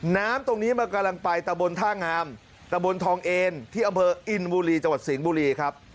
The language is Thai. น้ำตรงนี้มันกำลังไปตะบนท่างามตะบนทองเอนที่อำเภออินบุรีจังหวัดสิงห์บุรีครับ